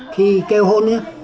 khi kêu hôn nhé